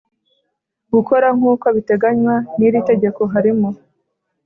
gukora nk uko biteganywa n iri tegeko harimo